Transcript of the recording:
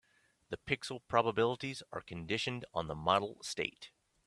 The pixel probabilities are conditioned on the model state.